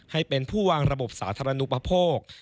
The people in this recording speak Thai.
ให้เป็นผู้วางระบบสาธารณูปโภค